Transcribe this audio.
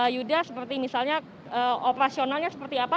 yuda seperti misalnya operasionalnya seperti apa